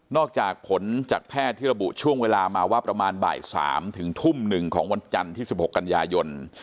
จากผลจากแพทย์ที่ระบุช่วงเวลามาว่าประมาณบ่าย๓ถึงทุ่ม๑ของวันจันทร์ที่๑๖กันยายน